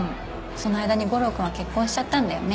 その間に悟郎君は結婚しちゃったんだよね。